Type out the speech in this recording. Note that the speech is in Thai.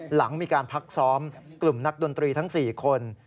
หลังมีการพักซ้อมกลุ่มนักดนตรีทั้ง๔คน